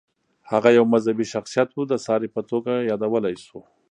هغه یو مذهبي شخصیت و، د ساري په توګه یادولی شو.